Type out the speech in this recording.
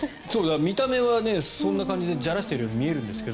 見た目はそんな感じでじゃらしているように見えるんですけど。